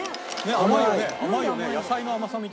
甘いよね。